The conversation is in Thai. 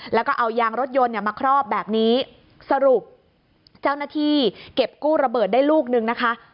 แล้วก็เอายางรถยนต์เนี่ยมาครอบแบบนี้สรุปเจ้าหน้าที่เก็บกู้ระเบิดได้ลูกนึงนะคะ